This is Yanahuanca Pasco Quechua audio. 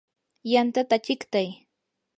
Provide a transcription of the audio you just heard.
yantata chiqtay.